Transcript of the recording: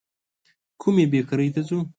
کومي بېکرۍ ته ځو ؟